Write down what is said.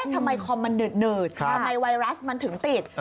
คอมมันหืดทำไมไวรัสมันถึงติด